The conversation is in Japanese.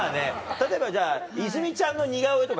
例えばじゃあ泉ちゃんの似顔絵とか。